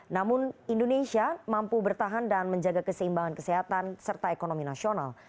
namun indonesia mampu bertahan dan menjaga keseimbangan kesehatan serta ekonomi nasional